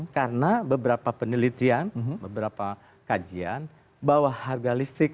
karena beberapa penelitian beberapa kajian bahwa harga listrik